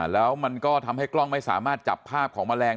แล้วมันก็ทำให้กล้องไม่สามารถจับภาพของแมลง